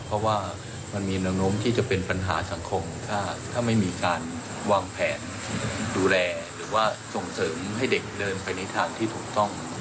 เพราะว่ามันมีแนวโน้มที่จะเป็นปัญหาสังคมถ้าไม่มีการวางแผนดูแลหรือว่าส่งเสริมให้เด็กเดินไปในทางที่ถูกต้อง